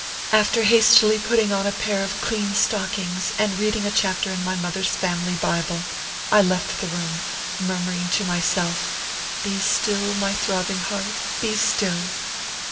After hastily putting on a pair of clean stockings and reading a chapter in my mother s family Bible, I left the room, murmuring to myself, " Be still, my throbbing heart, be still."